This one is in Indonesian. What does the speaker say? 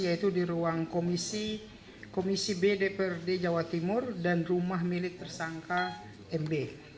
yaitu di ruang komisi b dprd jawa timur dan rumah milik tersangka md